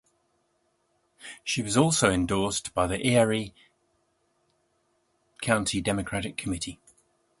She was also endorsed by the Erie County Democratic Committee.